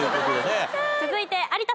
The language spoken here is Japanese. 続いて有田さん。